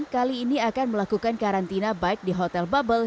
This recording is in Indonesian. kali ini akan melakukan karantina baik di hotel bubble